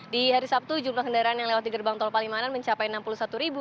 di hari sabtu jumlah kendaraan yang lewat di gerbang tol palimanan mencapai enam puluh satu ribu